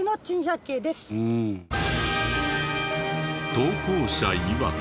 投稿者いわく。